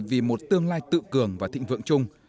vì một tương lai tự cường và thịnh vượng chung